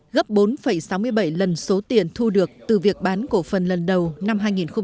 gấp bốn sáu mươi bảy lần số tiền thu được từ việc bán cổ phần lần đầu năm hai nghìn một mươi bảy